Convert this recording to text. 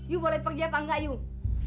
yuk boleh pergi apa enggak yuk